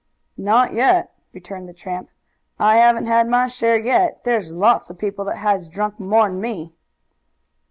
"Not yet," returned the tramp. "I haven't had my share yet. There's lots of people that has drunk more'n me."